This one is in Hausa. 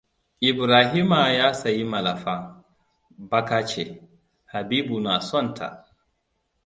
Ibrahima ya sayi malafa. Baka ce. Habibu na son ta.